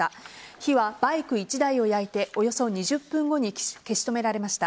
火はバイク１台を焼いておよそ２０分後に消し止められました。